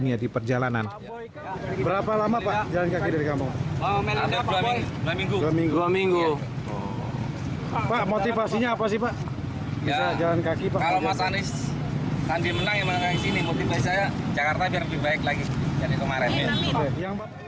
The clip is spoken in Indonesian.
eko juga tidak bisa berjalan kaki dari kampung